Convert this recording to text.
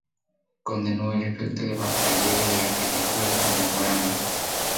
Condenó el efecto de bajo relieve de la arquitectura contemporánea.